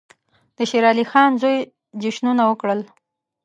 د شېر علي خان زوی جشنونه وکړل.